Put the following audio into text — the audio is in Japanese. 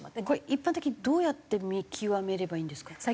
これ一般的にどうやって見極めればいいんですか？